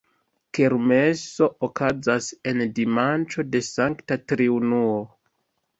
Kermeso okazas en dimanĉo de Sankta Triunuo.